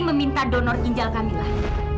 meminta donor ginjal kamilah